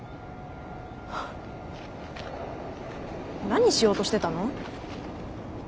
何しようとしてたの？